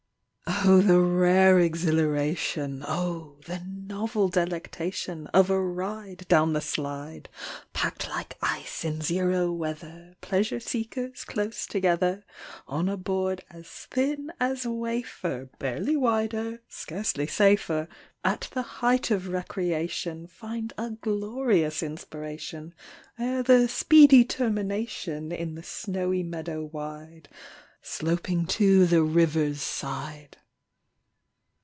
Oh, the rare exhilaration, Oh, the novel delectation Of a ride down the slide! Packed like ice in zero weather, Pleasure seekers close together, On a board as thin as wafer, Barely wider, scarcely safer, At the height of recreation Find a glorious inspiration, Ere the speedy termination In the snowy meadow wide, Sloping to the river's side.